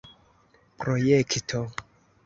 projekto